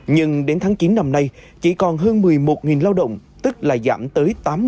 nhưng đến tháng chín năm nay chỉ còn hơn một mươi một lao động tức là giảm tới tám mươi